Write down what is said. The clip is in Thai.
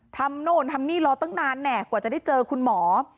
โน่นทำนี่รอตั้งนานแน่กว่าจะได้เจอคุณหมอ